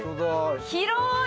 広い！